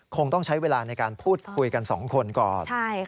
คงต้องใช้เวลาในการพูดคุยกัน๒คนก่อน